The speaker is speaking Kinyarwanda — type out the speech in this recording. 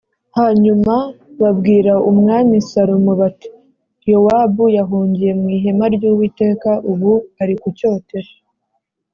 Hanyuma babwira Umwami Salomo bati “Yowabu yahungiye mu Ihema ry’Uwiteka, ubu ari ku cyotero.”